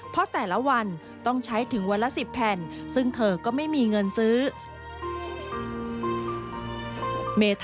เพราะแต่ละวันต้องใช้ถึงวันละ๑๐แผ่นซึ่งเธอก็ไม่มีเงินซื้อ